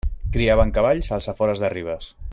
Criaven cavalls als afores de Ribes.